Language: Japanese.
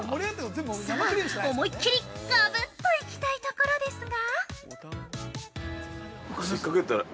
さあ、思い切りガブっといきたいところですが。